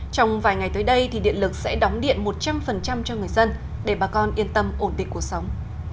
trong vài ngày tới đây thì điện lực sẽ đóng điện một trăm linh cho người dân để bà con yên tâm ổn định cuộc sống